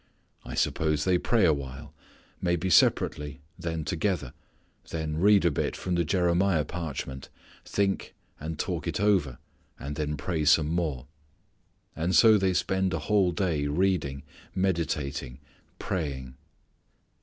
I suppose they pray awhile; maybe separately, then together; then read a bit from the Jeremiah parchment, think and talk it over and then pray some more. And so they spend a whole day reading, meditating, praying.